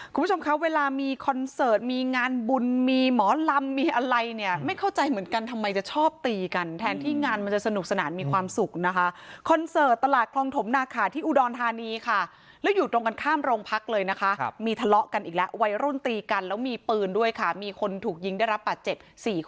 คุณผู้ชมคะเวลามีคอนเสิร์ตมีงานบุญมีหมอลำมีอะไรเนี่ยไม่เข้าใจเหมือนกันทำไมจะชอบตีกันแทนที่งานมันจะสนุกสนานมีความสุขนะคะคอนเสิร์ตตลาดคลองถมนาขาที่อุดรธานีค่ะแล้วอยู่ตรงกันข้ามโรงพักเลยนะคะมีทะเลาะกันอีกแล้ววัยรุ่นตีกันแล้วมีปืนด้วยค่ะมีคนถูกยิงได้รับบาดเจ็บ๔คน